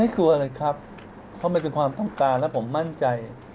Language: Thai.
กลัวอะไรครับเพราะมันเป็นความต้องการแล้วผมมั่นใจ